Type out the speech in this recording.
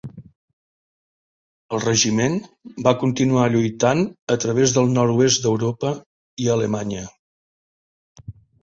El regiment va continuar lluitant a través del nord-oest d'Europa i a Alemanya.